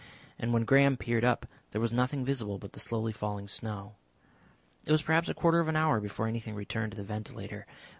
And when Graham peered up there was nothing visible but the slowly falling snow. It was perhaps a quarter of an hour before anything returned to the ventilator.